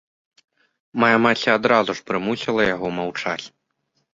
Мая маці адразу ж прымусіла яго маўчаць.